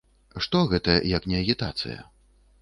Што гэта, як не агітацыя?